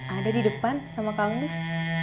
ada di depan sama kang gus